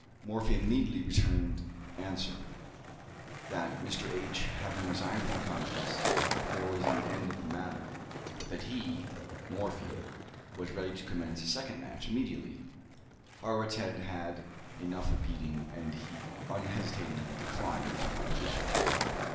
Morphy immediately returned answer, that "Mr. H. having resigned the contest, there was an end of the matter, but that he (Morphy) was ready to commence a second match immediately." Harrwitz had had enough of beating, and he unhesitatingly declined this proposition.